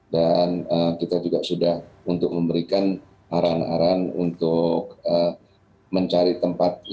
dan kita juga sudah untuk memberikan arahan aran untuk mencari tempat yang aman